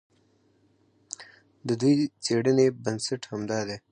د دوی د څېړنې بنسټ همدا دی.